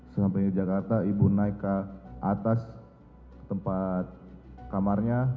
sampai ke jakarta ibu naik ke atas tempat kamarnya